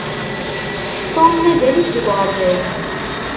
Tom mazal-it deg uɣerbaz.